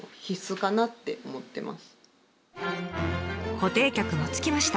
固定客もつきました。